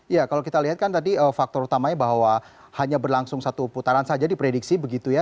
ya kalau kita lihat kan tadi faktor utamanya bahwa hanya berlangsung satu putaran saja diprediksi begitu ya